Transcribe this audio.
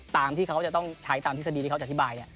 ตามที่เขาจะต้องใช้ตามทฤษฎีที่เขาจะอธิบาย